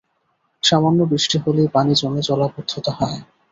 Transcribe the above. সামান্য বৃষ্টি হলেই পানি জমে জলাবদ্ধতা হয়।